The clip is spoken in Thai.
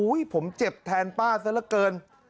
ผมเจ็บแทนป้าซะละเกิน